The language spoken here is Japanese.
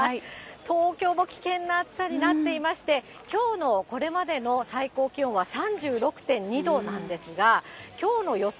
東京も危険な暑さになっていまして、きょうのこれまでの最高気温は３６．２度なんですが、きょうの予想